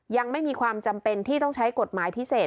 ยังไม่มีความจำเป็นที่ต้องใช้กฎหมายพิเศษ